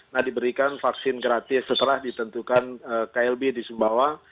nah diberikan vaksin gratis setelah ditentukan klb di sumbawa